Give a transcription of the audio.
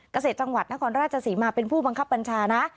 เกษตรจังหวัดนครราชศรีมาเป็นผู้บังคับบัญชานะ